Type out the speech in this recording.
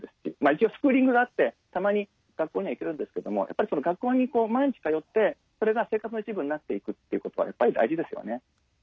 一応スクーリングがあってたまに学校には行けるんですけども学校に毎日通ってそれが生活の一部になっていくっていうことはやっぱり大事ですよね。